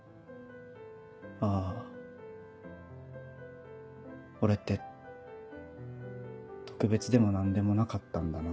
「あぁ俺って特別でも何でもなかったんだな」